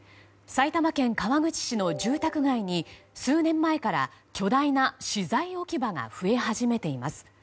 埼玉県川口市の住宅街に数年前から巨大な資材置き場が増え始めています。